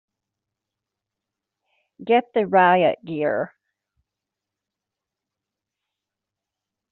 Get the riot gear!